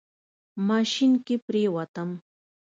ماشين کې پرېوتم.